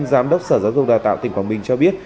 giám đốc sở giáo dục đào tạo tỉnh quảng bình cho biết